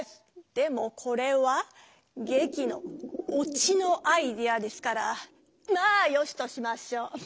でもこれは劇の「落ち」のアイデアですからまあよしとしましょう。